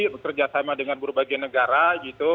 bekerja sama dengan berbagai negara gitu